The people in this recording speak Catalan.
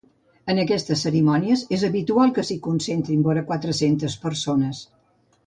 En aquestes cerimònies és habitual que s’hi concentrin vora quatre-centes persones.